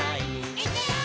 「いくよー！」